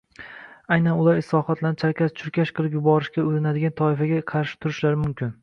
Aynan ular islohotlarni chalkash-chulkash qilib yuborishga urinadigan toifaga qarshi turishlari mumkin.